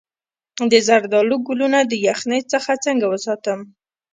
د زردالو ګلونه د یخنۍ څخه څنګه وساتم؟